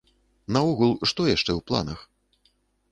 Наогул, што яшчэ ў планах?